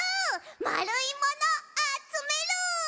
まるいものあつめる！